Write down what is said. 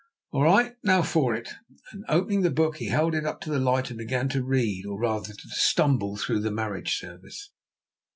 "All right, now for it," and, opening the book, he held it up to the light, and began to read, or, rather, to stumble, through the marriage service.